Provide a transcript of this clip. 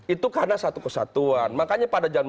itu karena satu kesatuan makanya pada zaman